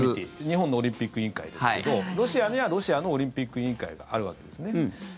日本のオリンピック委員会ですけどロシアにはロシアのオリンピック委員会があるわけですね。